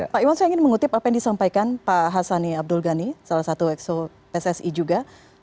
pak iwan saya ingin mengutip apa yang disampaikan pak hassani abdul ghani salah satu exo pssi juga